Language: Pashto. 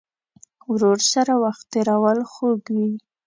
ورور سره وخت تېرول خوږ وي.